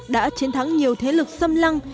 đã chiến thắng nhiều thế lực xâm lăng